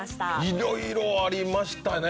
いろいろありましたね。